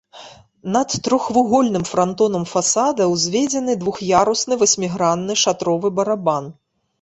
Над трохвугольным франтонам фасада ўзведзены двух'ярусны васьмігранны шатровы барабан.